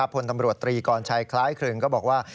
พลตำรวจตรีกรชัยคล้ายครึ่งก็บอกว่า